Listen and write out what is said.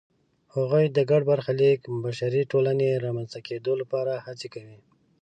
هغوی د ګډ برخلیک بشري ټولنې رامنځته کېدو لپاره هڅې کوي.